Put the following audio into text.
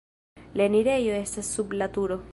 La enirejo estas sub la turo.